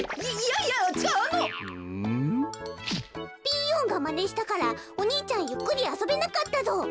ピーヨンがまねしたからお兄ちゃんゆっくりあそべなかったぞ。